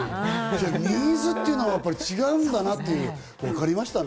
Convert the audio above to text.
ニーズっていうのは違うんだなっていう。